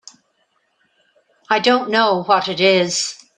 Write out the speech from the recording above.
I don't know what it is.